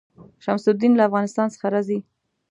شمس الدین له افغانستان څخه راځي.